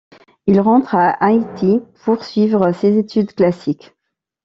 Il rentre à Haïti poursuivre ses études classiques.